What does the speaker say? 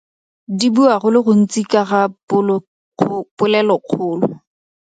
Di bua go le gontsi ka ga polelokgolo.